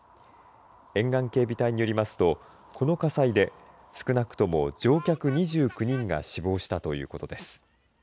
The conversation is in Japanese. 沿岸警備隊によりますとこの火災で少なくとも乗客２９人が死亡したということです。